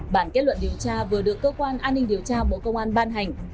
bản kết luận điều tra vừa được cơ quan an ninh điều tra bộ công an ban hành